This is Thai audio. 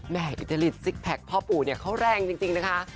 อิจริตซิกแพคพ่อปู่เนี่ยเขาแรงจริงนะคะ